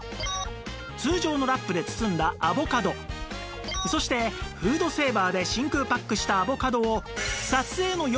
通常のラップで包んだアボカドそしてフードセーバーで真空パックしたアボカドを